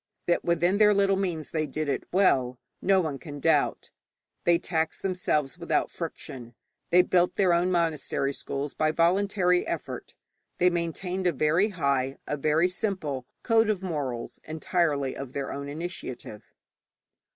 That within their little means they did it well, no one can doubt. They taxed themselves without friction, they built their own monastery schools by voluntary effort, they maintained a very high, a very simple, code of morals, entirely of their own initiative.